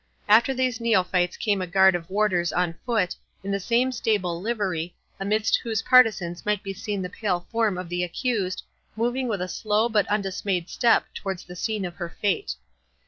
After these neophytes came a guard of warders on foot, in the same sable livery, amidst whose partisans might be seen the pale form of the accused, moving with a slow but undismayed step towards the scene of her fate.